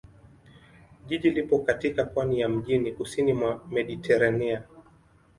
Jiji lipo katika pwani ya mjini kusini mwa Mediteranea.